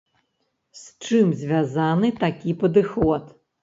З чым звязаны такі падыход?